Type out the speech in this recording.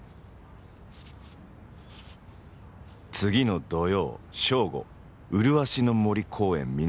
「次の土曜正午うるわしの森公園南